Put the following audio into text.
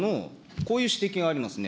こういう指摘がありますね。